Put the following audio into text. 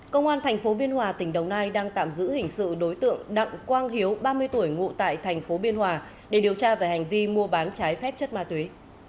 công an tp biên hòa tỉnh đồng nai đang tạm giữ hình sự đối tượng đặng quang hiếu ba mươi tuổi ngụ tại thành phố biên hòa để điều tra về hành vi mua bán trái phép chất ma túy